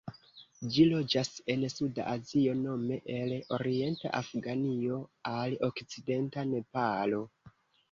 Ĝi loĝas en suda Azio, nome el orienta Afganio al okcidenta Nepalo.